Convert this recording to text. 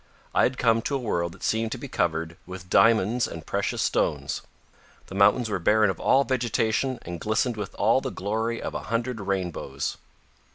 I had come to a world that seemed to be covered with diamonds and precious stones. The mountains were barren of all vegetation and glistened with all the glory of a hundred rainbows.